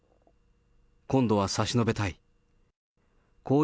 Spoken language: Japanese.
今度は差し伸べたい。